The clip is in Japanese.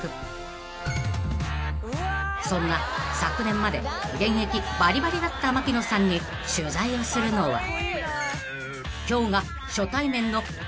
［そんな昨年まで現役バリバリだった槙野さんに取材をするのは今日が初対面の村重さん］